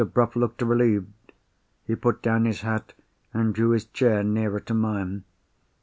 Bruff looked relieved. He put down his hat, and drew his chair nearer to mine.